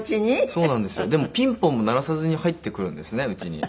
でもピンポンも鳴らさずに入ってくるんですねうちに。